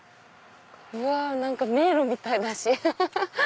うわ何か迷路みたいだしアハハハ！